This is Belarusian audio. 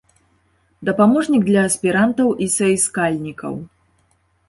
Дапаможнік для аспірантаў і саіскальнікаў.